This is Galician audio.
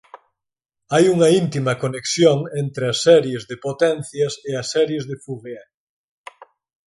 Hai unha íntima conexión entre as series de potencias e as series de Fourier.